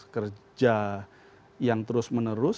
kerja yang terus menerus